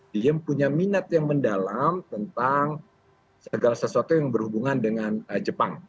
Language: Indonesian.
dia punya minat yang mendalam tentang segala sesuatu yang berhubungan dengan jepang